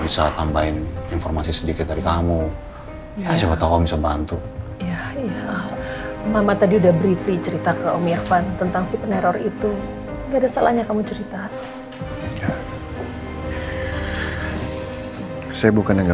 sampai jumpa di video selanjutnya